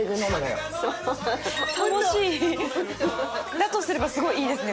だとすればすごいいいですね